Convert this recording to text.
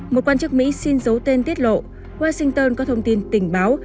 một quan chức mỹ xin giấu tên tiết lộ washington có thông tin tình báo